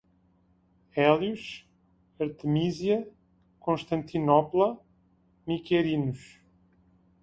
Hélios, Artemísia, Constantinopla, Miquerinos